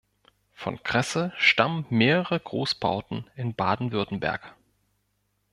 Von Kresse stammen mehrere Großbauten in Baden-Württemberg.